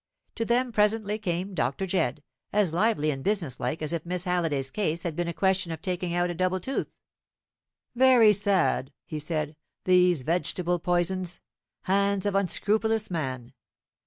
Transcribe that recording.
To them presently came Dr. Jedd, as lively and business like as if Miss Halliday's case had been a question of taking out a double tooth. "Very sad!" he said; "these vegetable poisons hands of unscrupulous man.